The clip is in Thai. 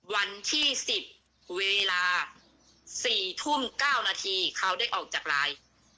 วันที่๑๐เวลา๔ทุ่ม๙นาทีเขาได้ออกจากไลน์